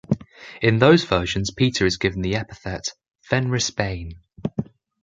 In those versions, Peter is given the epithet "Fenris-bane".